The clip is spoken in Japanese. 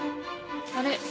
あれ？